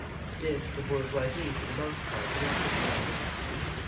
This the bourgeoisie for the most part recognises.